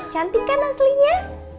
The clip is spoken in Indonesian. cantik kan aslinya